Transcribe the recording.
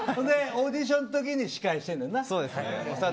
オーディションのときに司会してんねんな。